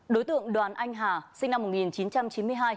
đối tượng đoàn anh hà sinh năm một nghìn chín trăm chín mươi hai